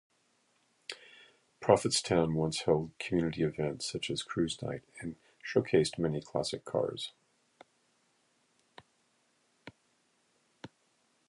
Prophetstown once held community events such as Cruise Night and showcased many classic cars.